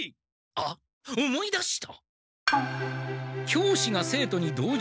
あっ思い出した！